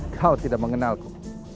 kau tidak mengenalku